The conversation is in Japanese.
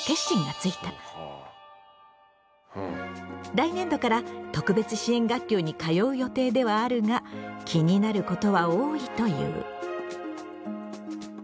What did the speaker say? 来年度から特別支援学級に通う予定ではあるが気になることは多いという。